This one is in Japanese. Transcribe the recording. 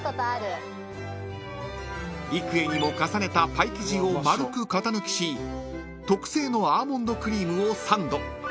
［幾重にも重ねたパイ生地をまるく型抜きし特製のアーモンドクリームをサンド］